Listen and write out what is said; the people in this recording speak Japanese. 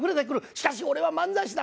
しかし俺は漫才師だ。